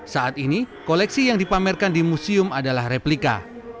saat ini koleksi yang dipamerkan di museum adalah replika